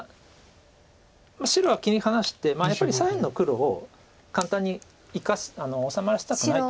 白は切り離してやっぱり左辺の黒を簡単に収まらせたくない。